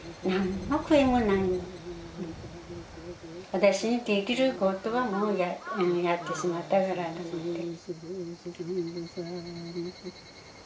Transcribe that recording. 私にできることはもうやってしまったからと思って。